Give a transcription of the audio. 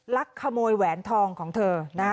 ลักขโมยแหวนทองของเธอนะฮะ